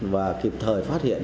và kịp thời phát hiện